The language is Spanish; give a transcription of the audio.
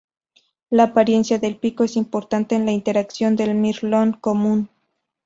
La apariencia del pico es importante en la interacción del mirlo común.